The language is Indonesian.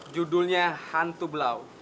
judulnya hantu blau